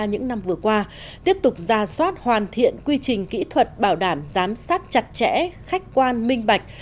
những năm vừa qua tiếp tục ra soát hoàn thiện quy trình kỹ thuật bảo đảm giám sát chặt chẽ khách quan minh bạch